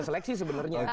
seleksi sebenernya agiité